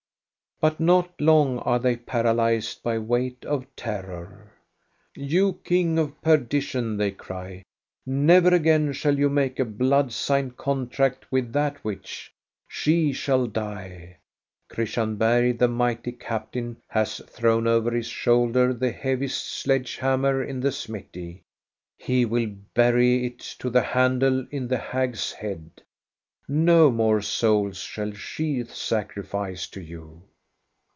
But not long are they paralyzed by weight of terror. "You king of perdition!" they cry, "never again shall you make a blood signed contract with that witch ; she shall die ! Christian Bergh, the mighty captain, has thrown over his shoulder the heaviest sledge hammer in the smithy. He will bury it to the handle in the hag's head. No more souls shall she sacrifice to you.